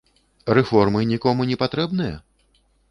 Рэформы нікому не патрэбныя?